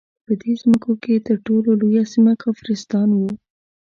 په دې مځکو کې تر ټولو لویه سیمه کافرستان وو.